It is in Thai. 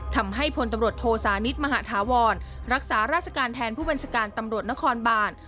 ทำให้พลตำรวจโทสานิทมหาธาวรรักษาราชการแทนผู้บัญชาการตำรวจนครบาน